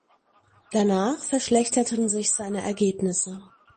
Danach verschlechterten sich seine Ergebnisse.